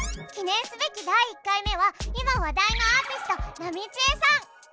記念すべき第１回目は今話題のアーティストなみちえさん。